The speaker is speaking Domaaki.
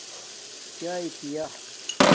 چاݵے پییا